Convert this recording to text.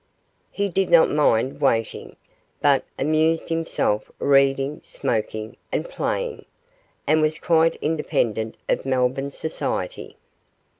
He did not mind waiting, but amused himself reading, smoking, and playing, and was quite independent of Melbourne society.